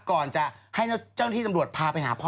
ก่อนจะให้เจ้าที่ตำรวจพาไปหาพ่อ